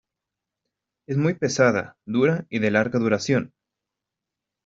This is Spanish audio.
Es muy pesada, dura y de larga duración.